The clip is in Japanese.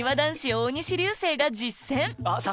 大西流星が実践